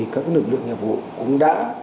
các lực lượng nhà vụ cũng đã